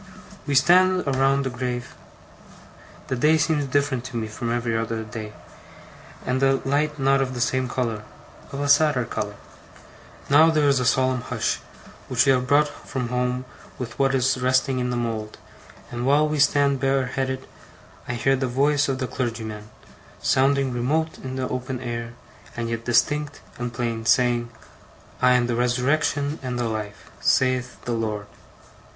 We stand around the grave. The day seems different to me from every other day, and the light not of the same colour of a sadder colour. Now there is a solemn hush, which we have brought from home with what is resting in the mould; and while we stand bareheaded, I hear the voice of the clergyman, sounding remote in the open air, and yet distinct and plain, saying: 'I am the Resurrection and the Life, saith the Lord!